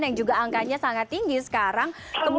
yang juga angkanya sangat tinggi sekarang